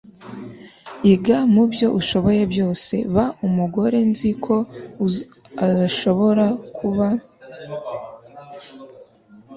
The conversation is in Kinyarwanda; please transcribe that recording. iga mubyo ushoboye byose. ba umugore nzi ko ushobora kuba